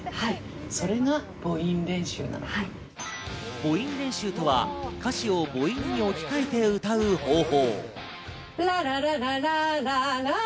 母音練習とは、歌詞を母音に置き換えて歌う方法。